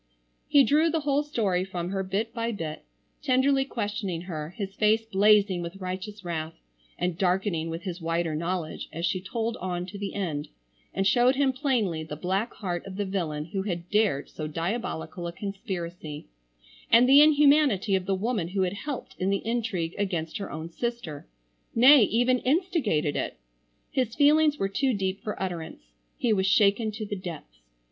He drew the whole story from her bit by bit, tenderly questioning her, his face blazing with righteous wrath, and darkening with his wider knowledge as she told on to the end, and showed him plainly the black heart of the villain who had dared so diabolical a conspiracy; and the inhumanity of the woman who had helped in the intrigue against her own sister,—nay even instigated it. His feelings were too deep for utterance. He was shaken to the depths.